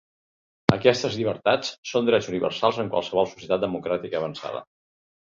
Aquestes llibertats són drets universals en qualsevol societat democràtica avançada.